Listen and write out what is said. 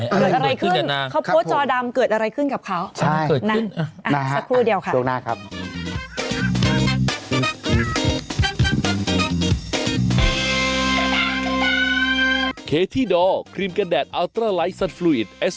เกิดอะไรขึ้นกับนางเขาโพสต์จอดำเกิดอะไรขึ้นกับเขาใช่นั่นสักครู่เดียวครับโต๊ะหน้าครับ